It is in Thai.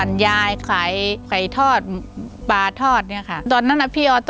จำแรงแม่แยกทาง